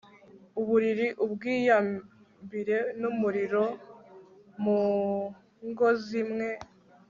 umubiri ubwiyabire numuriro Mu ngo zimwe